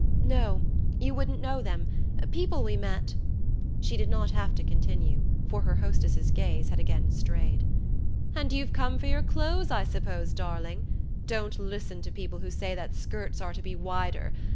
"No; you wouldn't know them. People we met...." She did not have to continue, for her hostess's gaze had again strayed. "And you've come for your clothes, I suppose, darling? Don't listen to people who say that skirts are to be wider.